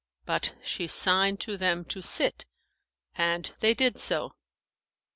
But she signed to them to sit and they did so.